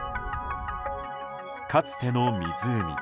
かつての湖。